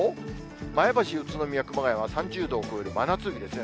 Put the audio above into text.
前橋、宇都宮、熊谷は３０度を超える真夏日ですね。